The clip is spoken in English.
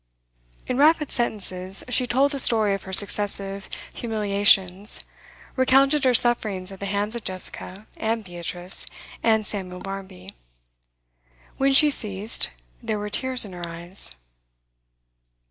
In rapid sentences she told the story of her successive humiliations, recounted her sufferings at the hands of Jessica and Beatrice and Samuel Barmby. When she ceased, there were tears in her eyes.